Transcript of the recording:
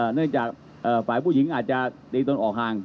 เนื่องจากฝ่ายผู้หญิงอาจจะตีตนออกห่าง